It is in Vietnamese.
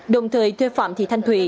đồng thời thuê phạm thị thanh thụy